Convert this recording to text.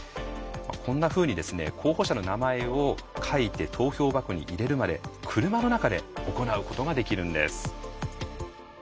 こんなふうにですね候補者の名前を書いて投票箱に入れるまで車の中で行うことができるんです。